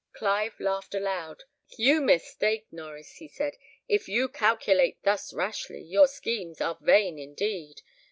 Clive laughed aloud. "You mistake, you mistake, Norries," he said; "if you calculate thus rashly, your schemes are vain indeed.